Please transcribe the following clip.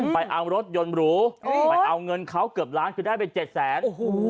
ไปเอารถยนต์หรูไปเอาเงินเขาเกือบล้านคือได้ไป๗แสน